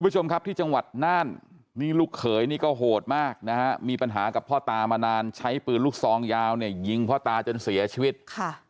คุณผู้ชมครับที่จังหวัดน่านนี่ลูกเขยนี่ก็โหดมากนะฮะมีปัญหากับพ่อตามานานใช้ปืนลูกซองยาวเนี่ยยิงพ่อตาจนเสียชีวิตค่ะ